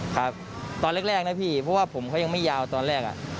ครับตอนแรกนะพี่เพราะว่าผมเขายังไม่ยาวตอนแรก